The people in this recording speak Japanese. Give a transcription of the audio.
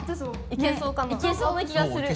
いけそうな気がする。